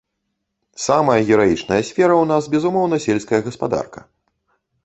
Самая гераічная сфера ў нас, безумоўна, сельская гаспадарка.